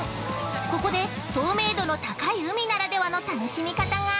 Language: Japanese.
ここで透明度の高い海ならではの楽しみ方が。